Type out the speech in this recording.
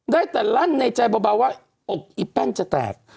ได้แต่ลั่นในใจเบาว่าอกอีแป้งจะแตก